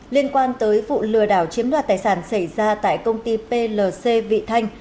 liên quan tới vụ lừa đảo chiếm đoạt tài sản xảy ra tại công ty plc vị thanh